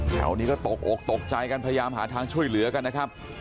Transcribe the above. แถวนี้ก็ตกอกตกใจกันพยายามหาทางช่วยเหลือกันนะครับ